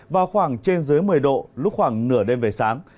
và khoảng trên dưới một mươi độ lúc khoảng nửa đêm về sáng